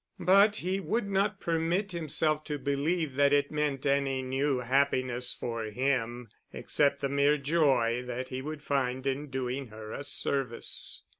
But he would not permit himself to believe that it meant any new happiness for him, except the mere joy that he would find in doing her a service.